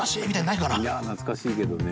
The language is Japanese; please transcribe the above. いや懐かしいけどね。